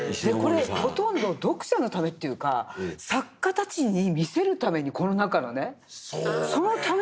これほとんど読者のためというか作家たちに見せるためにこの中のねそのために描いてる感じしません？